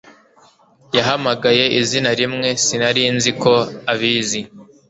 yahamagaye izina rimwe. sinari nzi ko abizi